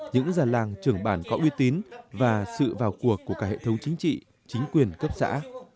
những già làng trưởng bản có uy tín và sự vào cuộc của cả hệ thống chính trị chính quyền cấp xã